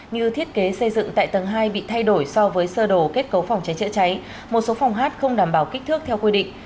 như thiết kế xây dựng tại tầng hai bị thay đổi so với sơ đồ kết cấu phòng cháy chữa cháy một số phòng hát không đảm bảo kích thước theo quy định